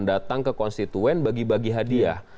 datang ke konstituen bagi bagi hadiah